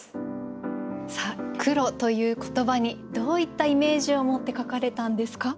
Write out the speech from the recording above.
さあ「黒」という言葉にどういったイメージを持って書かれたんですか？